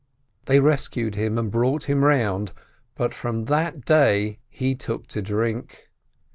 They rescued him and brought him round, but from that day he took to drink.